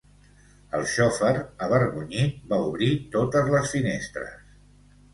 El xofer, avergonyit, va obrir totes les finestres.